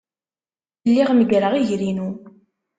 Lliɣ meggreɣ iger-inu.